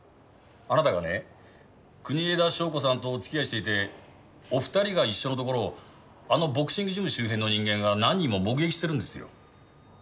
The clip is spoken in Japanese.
あなたがね国枝祥子さんとお付き合いしていてお二人が一緒のところをあのボクシングジム周辺の人間が何人も目撃してるんですよ。